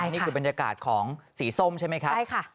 นี่คือบรรยากาศของสีส้มใช่ไหมครับใช่ค่ะ